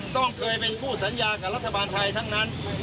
ต้องเคยเป็นผู้สัญญากับรัฐบาลไทยทั้งนั้น